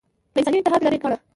له انساني تعهد لرې ګاڼه